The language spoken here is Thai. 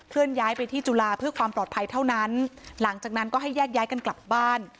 ย้ายไปที่จุฬาเพื่อความปลอดภัยเท่านั้นหลังจากนั้นก็ให้แยกย้ายกันกลับบ้าน